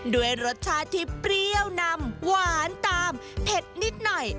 ด้วยรสชาติที่เปรี้ยวนำหวานตามเผ็ดนิดหน่อย